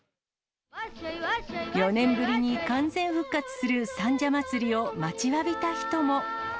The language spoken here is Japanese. ４年ぶりに完全復活する三社祭を待ちわびた人も。